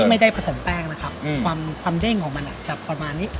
ไม่ได้ผสมแป้งนะครับความเด้งของมันอาจจะประมาณนี้